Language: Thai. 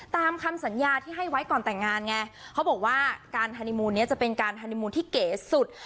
ตามคำสัญญาที่ให้ไว้ก่อนแต่งงานไงเขาบอกว่าการฮานีมูลนี้จะเป็นการฮานีมูลที่เก๋สุด